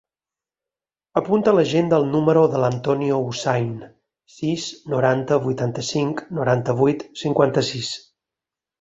Apunta a l'agenda el número de l'Antonio Hussain: sis, noranta, vuitanta-cinc, noranta-vuit, cinquanta-sis.